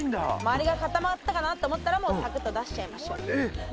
周りが固まったかなと思ったらもうサクッと出しちゃいましょうえっ？